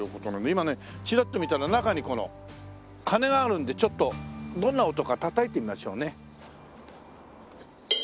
今ねちらっと見たら中にこの鐘があるのでちょっとどんな音かたたいてみましょうね。